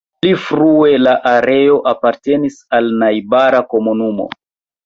Pli frue la areo apartenis al najbara komunumo.